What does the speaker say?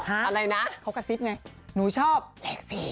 อะไรนะเขากระซิบไงหนูชอบแตะสี